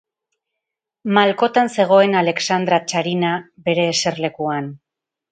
Malkotan zegoen Alexandra tsarina bere eserlekuan.